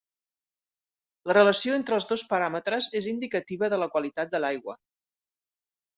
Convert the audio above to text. La relació entre els dos paràmetres és indicativa de la qualitat de l'aigua.